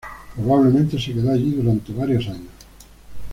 Probablemente se quedó allí durante varios años.